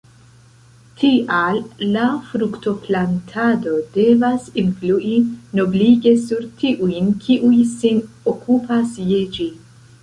Tial la fruktoplantado devas influi noblige sur tiujn, kiuj sin okupas je ĝi.